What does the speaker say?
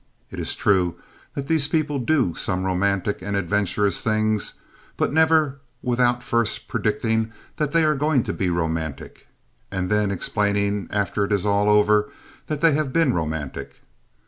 It is true that these people do some romantic and adventurous things, but never without first predicting that they are going to be romantic, and then explaining after it is all over that they have been romantic.